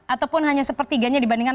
ataupun hanya sepertiganya dibandingkan